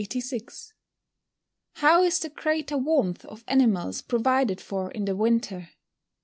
] 168. _How is the greater warmth of animals provided for in the winter?